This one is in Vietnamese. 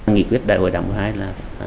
nghị quyết đại hội đảng thứ hai là